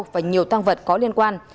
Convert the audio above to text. và nhiều tăng vật có liên quan